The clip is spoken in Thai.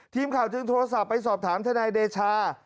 ทีมข่าวจึงโทรศัพท์ไปสอบถามทนายเดชา